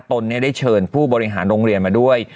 ตนได้เชิญผู้บริหารโรงเรียนมาด้วย